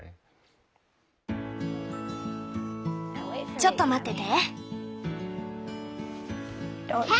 ちょっと待ってて。